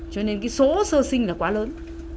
cho nên cái số sơ sinh là quá lớn